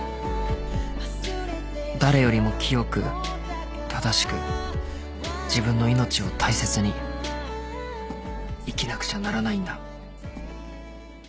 ［誰よりも清く正しく自分の命を大切に生きなくちゃならないんだ］